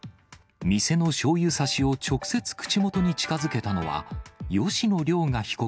店のしょうゆさしを直接口元に近づけたのは、吉野凌雅被告